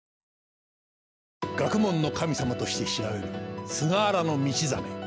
学問の神様として知られる菅原道真。